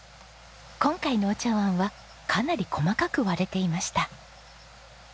今回のお茶わんはかなり細かく割れていました。